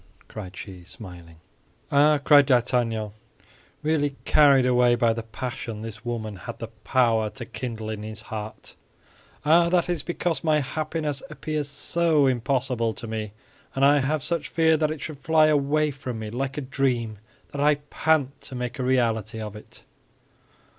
cried she, smiling. "Ah," cried D'Artagnan, really carried away by the passion this woman had the power to kindle in his heart, "ah, that is because my happiness appears so impossible to me; and I have such fear that it should fly away from me like a dream that I pant to make a reality of it."